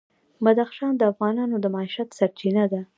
بدخشان د افغانانو د معیشت سرچینه ده.